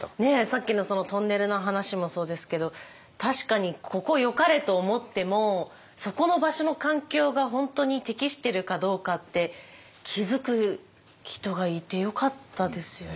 さっきのトンネルの話もそうですけど確かにここよかれと思ってもそこの場所の環境が本当に適してるかどうかって気付く人がいてよかったですよね。